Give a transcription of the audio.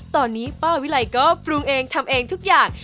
ตอนนี้ป้าวิไลก็ปรุงเองทำเองทุกอย่าง